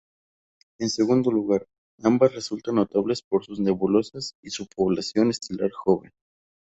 En segundo lugar, ambas resultan notables por sus nebulosas y su población estelar joven.